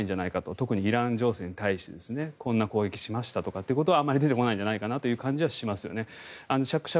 特にイラン情勢に対してこんな攻撃をしましたということはあまり出てこないんじゃないかなという気はしますよね。